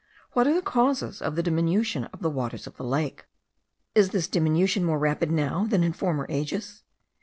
What are the causes of the diminution of the waters of the lake? Is this diminution more rapid now than in former ages?